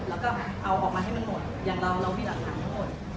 แล้วก็เอาออกมาให้มันหมดอย่างเราเรามีหลักฐานทั้งหมด